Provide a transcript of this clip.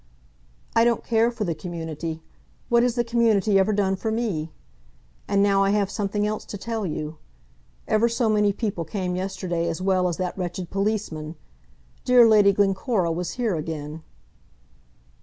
"I don't care for the community. What has the community ever done for me? And now I have something else to tell you. Ever so many people came yesterday as well as that wretched policeman. Dear Lady Glencora was here again."